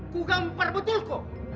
kukamper betul kok